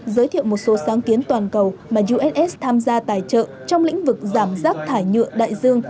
giới thiệu một số sáng kiến toàn cầu mà uss tham gia tài trợ trong lĩnh vực giảm rác thải nhựa đại dương